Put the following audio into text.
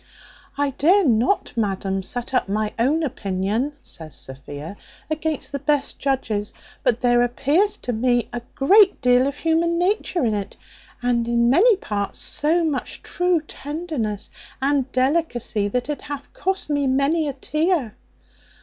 "I dare not, madam, set up my own opinion," says Sophia, "against the best judges, but there appears to me a great deal of human nature in it; and in many parts so much true tenderness and delicacy, that it hath cost me many a tear."